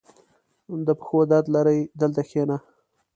• د پښو درد لرې؟ دلته کښېنه.